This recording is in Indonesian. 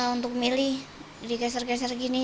untuk milih di keser keser gini